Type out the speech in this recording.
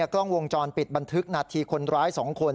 กล้องวงจรปิดบันทึกนาทีคนร้าย๒คน